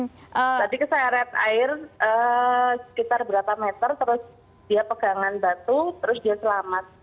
tadi keseret air sekitar berapa meter terus dia pegangan batu terus dia selamat